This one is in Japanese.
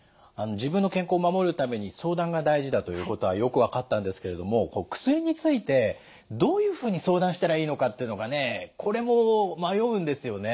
自分の健康を守るために相談が大事だということはよく分かったんですけれども薬についてどういうふうに相談したらいいのかっていうのがねこれも迷うんですよね。